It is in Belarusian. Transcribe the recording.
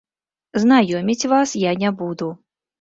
Знаёміць вас я не буду.